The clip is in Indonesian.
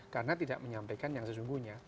karena tidak menyampaikan yang sesungguhnya